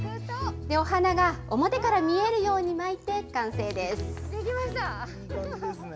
お花が表から見えるように巻いて完成です。